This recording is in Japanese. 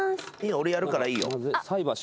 俺やるからいいよ。